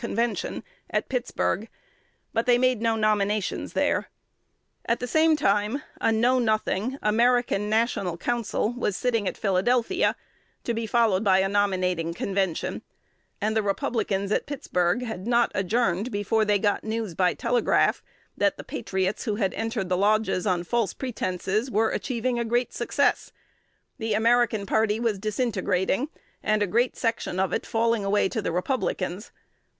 Convention," at Pittsburg; but they made no nominations there. At the same time, a Know Nothing American "National Council" was sitting at Philadelphia (to be followed by a nominating convention); and the Republicans at Pittsburg had not adjourned before they got news by telegraph, that the patriots who had entered the lodges on false pretences were achieving a great success: the American party was disintegrating, and a great section of it falling away to the Republicans.